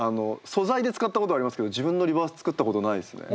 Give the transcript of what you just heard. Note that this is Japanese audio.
素材で使ったことありますけど自分のリバース作ったことないですね。